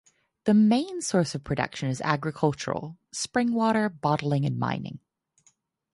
The main source of production is agricultural, spring water bottling and mining.